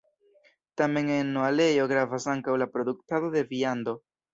Tamen en Noalejo gravas ankaŭ la produktado de viando.